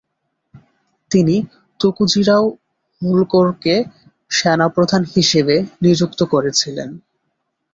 তিনি তুকোজিরাও হোলকরকে সেনাপ্রধান হিসেবে নিযুক্ত করেছিলেন।